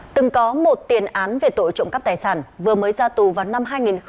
từng có một tiền án về tội trộm cắp tài sản vừa mới ra tù vào năm hai nghìn một mươi